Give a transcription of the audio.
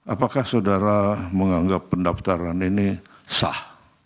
apakah saudara menganggap pendaftaran ini sah